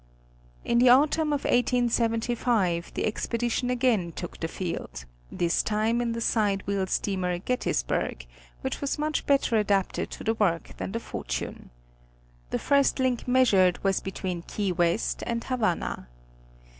In the Autumn of 1875, the expedition again took the field, this time in the side wheel steamer Gettysburg, which was much etter adapted to the work than the Fortune. The first link measured was between Key West and Havana.